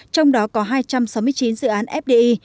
trong đó có hai trăm sáu mươi chín dự án fdi